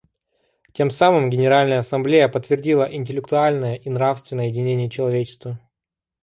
Тем самым Генеральная Ассамблея подтвердила интеллектуальное и нравственное единение человечества.